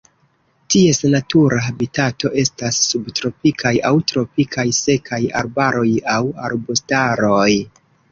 Ties natura habitato estas subtropikaj aŭ tropikaj sekaj arbaroj aŭ arbustaroj.